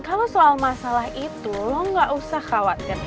kalau soal masalah itu lo gak usah khawatir